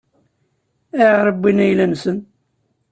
Ayɣer i wwin ayla-nsen?